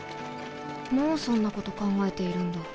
もうそんなこと考えているんだ。